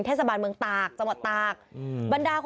เทศบาลเมืองตากจมตาก